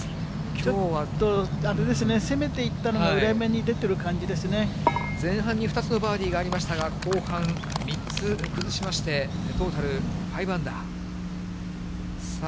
ちょっとあれですね、攻めていったのが裏目に出てる感じです前半に２つのバーディーがありましたが、後半３つ崩しまして、トータル５アンダー。